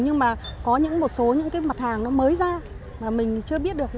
nhưng mà có những một số mặt hàng mới ra mà mình chưa biết được